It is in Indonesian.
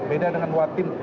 beda dengan watin